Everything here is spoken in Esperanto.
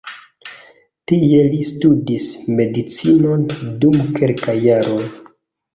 Tie li studis medicinon dum kelkaj jaroj.